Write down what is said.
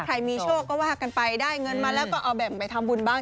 มีโชคก็ว่ากันไปได้เงินมาแล้วก็เอาแบ่งไปทำบุญบ้าง